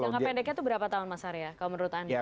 jangka pendeknya itu berapa tahun mas arya kalau menurut anda